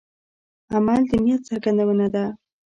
عمل د نیت څرګندونه ده.